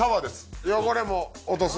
汚れも落とす。